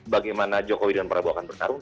bagaimana jokowi dan prabowo akan bertarung